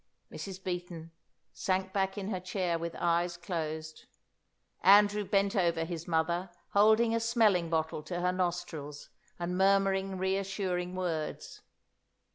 Mrs. Beaton sank back in her chair with eyes closed. Andrew bent over his mother, holding a smelling bottle to her nostrils, and murmuring reassuring words.